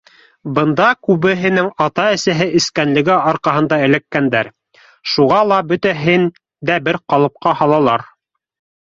Бында күбеһенең атаһы-әсәһе эскәнлеге арҡаһында эләккәндәр, шуға ла бөтәһен дә бер ҡалыпҡа һалалар.